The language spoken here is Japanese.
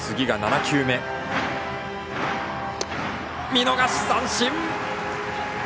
見逃し三振！